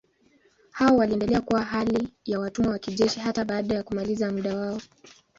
Hao waliendelea kuwa hali ya watumwa wa kijeshi hata baada ya kumaliza muda wao.